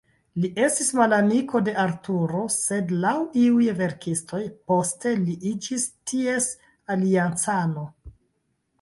Li estis malamiko de Arturo, sed, laŭ iuj verkistoj, poste li iĝis ties aliancano.